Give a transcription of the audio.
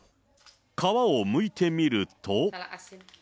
皮をむいてみると。